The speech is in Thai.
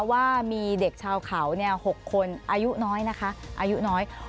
ว่ามีเด็กชาวเขา๖คนอายุน้อยนะคะอายุน้อย